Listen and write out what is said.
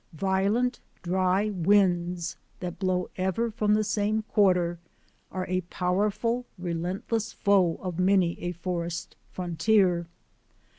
Violent, dry winds that blow ever from the same quarter are a powerful, relentless foe of many a forest frontier.